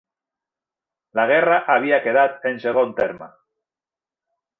La guerra havia quedat en segon terme